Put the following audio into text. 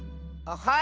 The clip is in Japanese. はい！